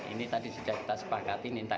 ini tadi sudah kita sepakati minta